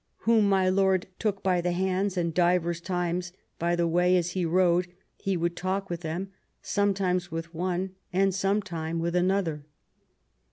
Whom my lord took by the hands, and divers times by the way as he rode he would talk with them, sometime with one and sometime with another."